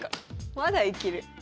まだいける。